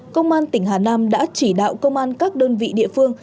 công an tỉnh hà nam đã chỉ đạo công an các đơn vị địa phương